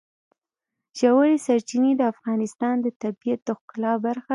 ژورې سرچینې د افغانستان د طبیعت د ښکلا برخه ده.